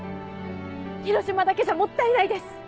広島だけじゃもったいないです。